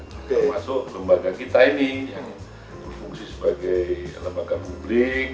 termasuk lembaga kita ini yang berfungsi sebagai lembaga publik